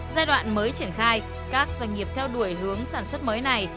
giai đoạn mới triển khai các doanh nghiệp theo đuổi hướng sản xuất mới này